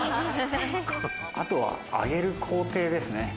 「あとは揚げる工程ですね」